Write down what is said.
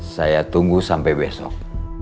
saya tunggu sampai besok